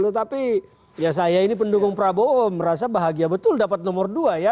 tetapi ya saya ini pendukung prabowo merasa bahagia betul dapat nomor dua ya